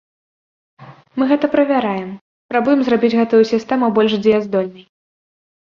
Мы гэта правяраем, спрабуем зрабіць гэтую сістэму больш дзеяздольнай.